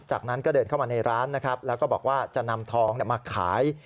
จากนั้นก็เดินเข้ามาในร้านนะครับแล้วก็บอกว่าจะนำทองมาขาย